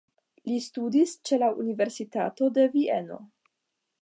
Li studis ĉe la Universitato de Vieno.